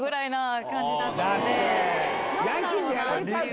ヤンキーにやられちゃう。